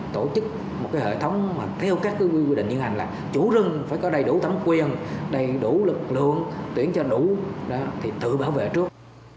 tổ chức một hệ thống mà theo các quy định hiện hành là chủ rừng phải có đầy đủ thấm quyền đầy đủ lực lượng tuyển cho đủ thì tự bảo vệ trước